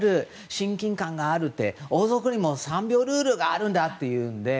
親近感があるって王族にも３秒ルールがあるんだっていうので。